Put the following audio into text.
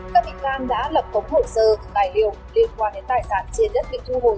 các vị can đã lập cống hổ sơ tài liệu liên quan đến tài sản trên đất bị thu hồi